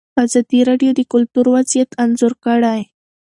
ازادي راډیو د کلتور وضعیت انځور کړی.